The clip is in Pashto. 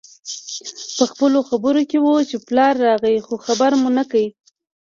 پخپلو خبرو کې وو چې پلار راغی خو خبر مو نه کړ